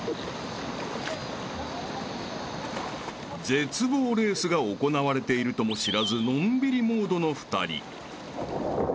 ［絶望レースが行われているとも知らずのんびりモードの２人］